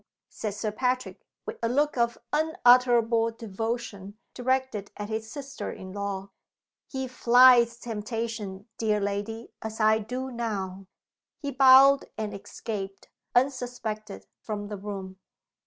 said Sir Patrick, with a look of unutterable devotion directed at his sister in law. "He flies temptation, dear lady as I do now." He bowed, and escaped, unsuspected, from the room.